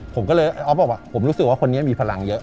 ผมก็เลยออฟบอกว่าผมรู้สึกว่าคนนี้มีพลังเยอะ